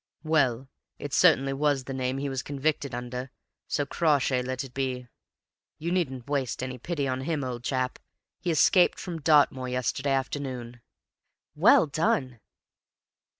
"Well, it was certainly the name he was convicted under, so Crawshay let it be. You needn't waste any pity on HIM, old chap; he escaped from Dartmoor yesterday afternoon." "Well done!"